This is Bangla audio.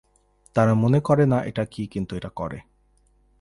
তারা মনে করে না এটা কি কিন্তু এটা করে।